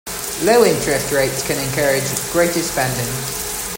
Low-interest rates can encourage greater spending.